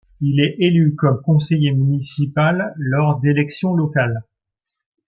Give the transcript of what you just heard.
Il est élu comme conseiller municipal lors d'élections locales.